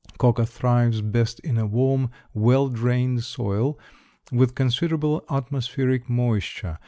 Coca thrives best in a warm, well drained soil, with considerable atmospheric moisture.